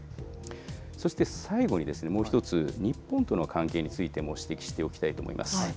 そして最後にですね、もう１つ、日本との関係についても指摘しておきたいと思います。